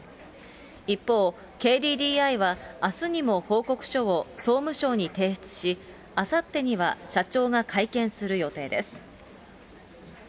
一方、ＫＤＤＩは、あすにも報告書を総務省に提出し、あさってには社長が会見する予定です。